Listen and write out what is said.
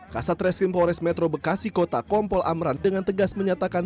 kasat reskrim polres metro bekasi kota kompol amran dengan tegas menyatakan